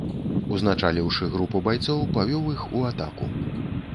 Узначаліўшы групу байцоў, павёў іх у атаку.